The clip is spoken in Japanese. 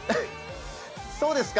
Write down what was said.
そうですか？